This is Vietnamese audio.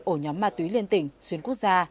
ổ nhóm ma túy liên tỉnh xuyên quốc gia